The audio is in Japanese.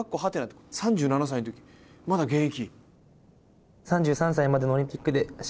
３７歳のとき、まだ現役？